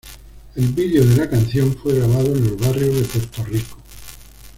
El vídeo de la canción fue grabado en los barrios de Puerto Rico.